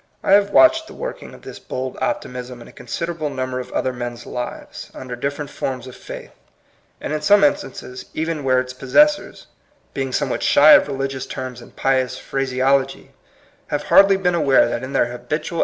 I have watched the working of this bold optimism in a considerable number of other men's lives, under different forms of faith, and in some instances even where its possessors, being somewhat shy of re ligious terms and pious phraseology, have hardly been aware that in their habitual INTRODUCTION.